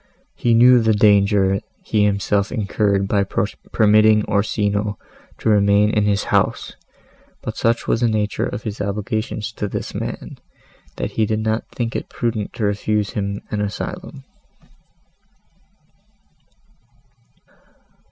He knew the danger he himself incurred by permitting Orsino to remain in his house, but such was the nature of his obligations to this man, that he did not think it prudent to refuse him an asylum.